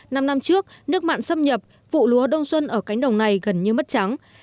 năm năm trước nước mặn xâm nhập vụ lúa đông xuân ở cánh đồng này gần như mất trắng